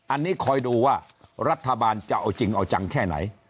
อันนี้คอยดูว่ารัฐบาลจะเอาจริงเอาจังแค่ไหน